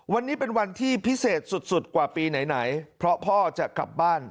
วันนี้เป็นวันที่พิเศษสุดสุดกว่าปีไหนเพราะพ่อจะกลับบ้าน